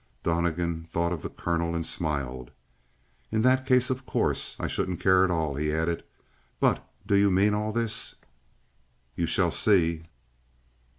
Donnegan thought of the colonel and smiled. "In that case, of course, I shouldn't care at all." He added: "But do you mean all this?" "You shall see."